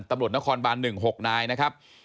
ตำรวจนครบาน๑๖นายนะครับ